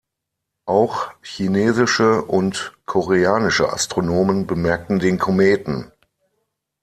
Auch chinesische und koreanische Astronomen bemerkten den Kometen.